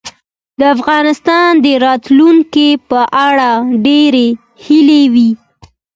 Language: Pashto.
د افغانستان د راتلونکې په اړه ډېرې هیلې وې.